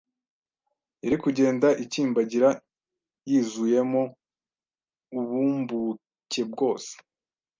yari kugenda ikimbagira yizuyemo ubummbuke bwose,